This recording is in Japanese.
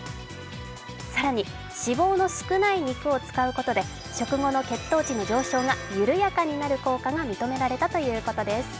更に、脂肪の少ない肉を使うことで食後の血糖値の上昇が緩やかになる効果が認められたということです。